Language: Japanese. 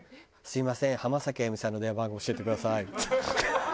「すみません浜崎あゆみさんの電話番号教えてください」って。